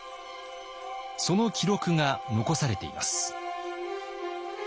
その記録が残されています。